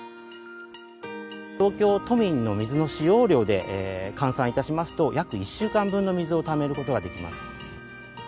東京都民の水の使用量で換算いたしますと、約１週間分の水をためることができます。